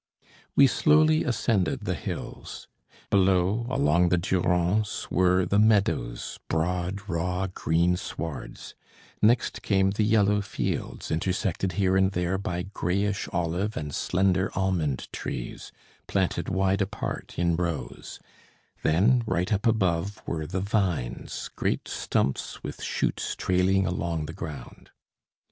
We slowly ascended the hills. Below, along the Durance, were the meadows, broad, raw green swards; next came the yellow fields, intersected here and there by greyish olive and slender almond trees, planted wide apart in rows; then, right up above, were the vines, great stumps with shoots trailing along the ground.